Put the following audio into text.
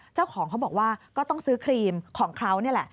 เจ้าของเขาบอกว่าก็ต้องซื้อครีมของเขานี่แหละ